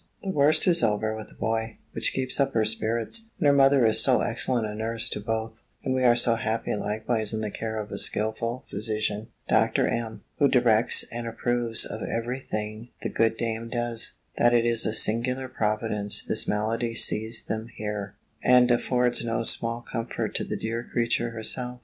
The worst is over with the boy, which keeps up her spirits; and her mother is so excellent a nurse to both, and we are so happy likewise in the care of a skilful physician, Dr. M. (who directs and approves of every thing the good dame does,) that it is a singular providence this malady seized them here; and affords no small comfort to the dear creature herself.